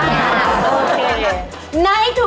อะไรมั้ยครับ